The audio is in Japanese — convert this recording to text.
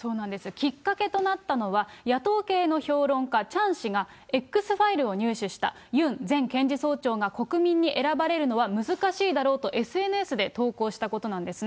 きっかけとなったのは、野党系の評論家、チャン氏が、Ｘファイルを入手した、ユン前検事総長が国民に選ばらるのは難しいだろうとＳＮＳで投稿したことなんですね。